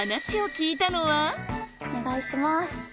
お願いします。